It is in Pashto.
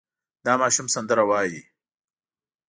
دا ماشوم سندره وايي.